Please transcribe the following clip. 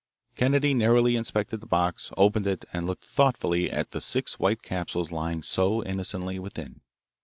Kennedy narrowly inspected the box, opened it, and looked thoughtfully at the six white capsules lying so innocently within.